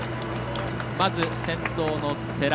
まず、先頭の世羅。